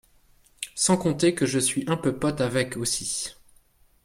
Sans compter que je suis un peu pote avec aussi